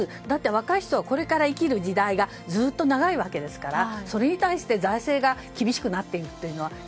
だって若い人はこれから生きる時代がずっと長いわけですからそれに対して財政が厳しくなっていくというのは。